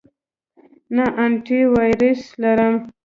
نه، انټی وایرس لرم